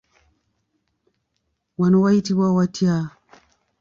Wano wayitibwa watya?